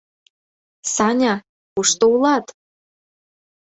— Саня, кушто улат?